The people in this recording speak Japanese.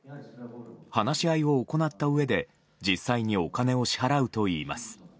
話し合いを行ったうえで実際にお金を支払うといいます。